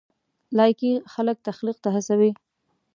لایکي خلک تخلیق ته هڅوي.